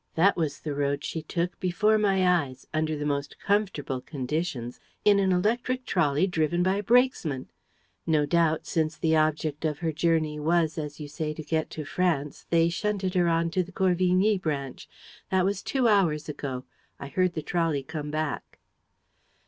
That was the road she took, before my eyes, under the most comfortable conditions, in an electric trolley driven by a brakesman. No doubt, since the object of her journey was, as you say, to get to France, they shunted her on to the Corvigny branch. That was two hours ago. I heard the trolley come back."